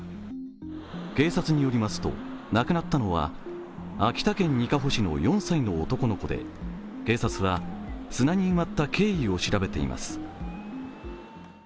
警察によりますと、亡くなったのは秋田県にかほ市の４歳の男の子で、警察は砂に埋まった経緯を調べています。